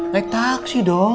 naik taksi dong